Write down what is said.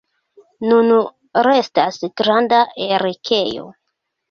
Nun restas granda erikejo.